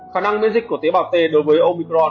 khả năng miễn dịch của tế bào t đối với omicron